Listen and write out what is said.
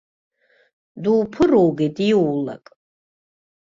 Дуԥыругеит иуулак.